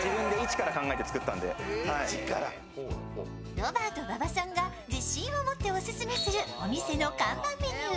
ロバート馬場さんが自信を持ってオススメするお店の看板メニュー